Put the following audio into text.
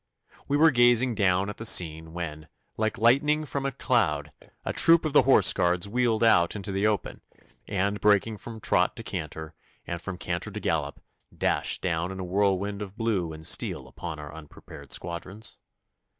We were gazing down at the scene when, like lightning from a cloud, a troop of the Horse Guards wheeled out into the open, and breaking from trot to canter, and from canter to gallop, dashed down in a whirlwind of blue and steel upon our unprepared squadrons.